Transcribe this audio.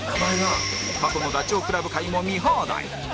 過去のダチョウ倶楽部回も見放題